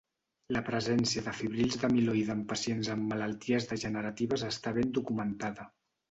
La presència de fibrils d'amiloide en pacients amb malalties degeneratives està ben documentada.